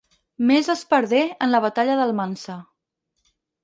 Més es perdé en la batalla d'Almansa.